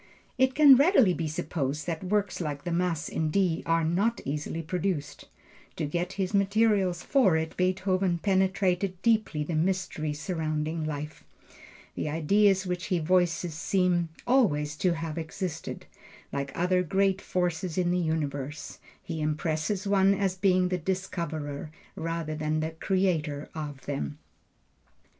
It can readily be supposed that works like the Mass in D are not easily produced. To get his materials for it Beethoven penetrated deeply the mystery surrounding life. The ideas which he voices seem always to have existed, like other great forces in the universe; he impresses one as being the discoverer, rather than the creator of them.